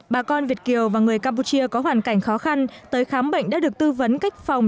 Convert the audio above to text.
bà con việt kiều và người campuchia có hoàn cảnh khó khăn tới khám bệnh đã được tư vấn cách phòng